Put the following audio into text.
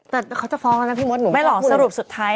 แต่เขาจะฟ้องแล้วนะพี่มดหนูไม่หรอสรุปสุดท้าย